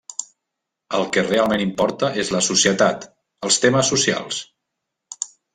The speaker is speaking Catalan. El que realment importa és la societat, els temes socials.